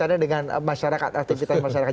jadi tidak ada kaitannya dengan masyarakat